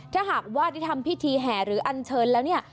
ถ้าหากว่าได้ทำพิธีแห่หรืออันเชิญแล้วเนี่ย